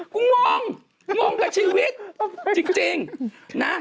งงงงงกับชีวิตจริงนะ